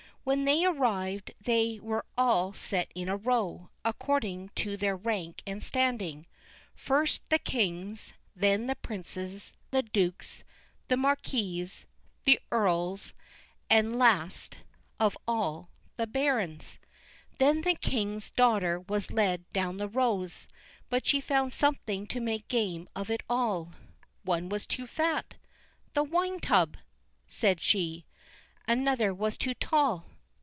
When they arrived they were all set in a row, according to their rank and standing: first the kings, then the princes, the dukes, the marquesses, the earls, and, last of all, the barons. Then the king's daughter was led down the rows, but she found something to make game of it all. One was too fat. "The wine tub!" said she. Another was too tall.